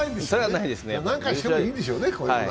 何回してもいいんでしょうね。